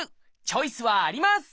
チョイスはあります！